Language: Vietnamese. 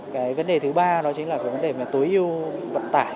cái vấn đề thứ ba đó chính là cái vấn đề mà tối ưu vận tải